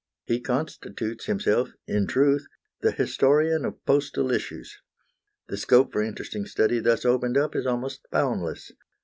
He constitutes himself, in truth, the historian of postal issues. The scope for interesting study thus opened up is almost boundless.